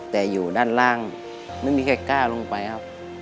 แต่อยู่ด้านล่างไม่มีใครกล้าลงไปครับ